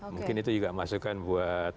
mungkin itu juga masukan buat